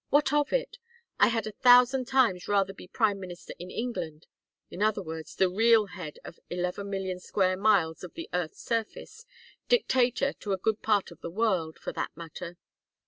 What of it? I had a thousand times rather be prime minister in England in other words the real head of eleven million square miles of the earth's surface, dictator to a good part of the world, for that matter.